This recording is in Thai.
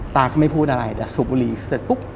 ตาก็ไม่พูดอะไรแต่สูบบุหรี่เสร็จปุ๊บ